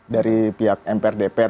dari pihak mpr dpr